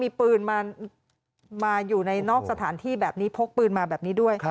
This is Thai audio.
มีปืนมาอยู่ในนอกสถานที่แบบนี้พกปืนมาแบบนี้ด้วย